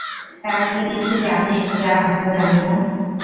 তারা কি কিছু জানে যা আমরা জানি না?